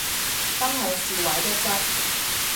分享笑話一則